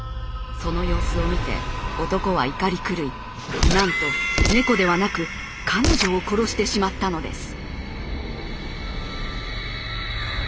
その様子を見て男は怒り狂いなんと猫ではなく彼女を殺してしまったのです。